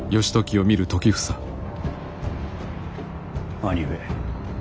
兄上。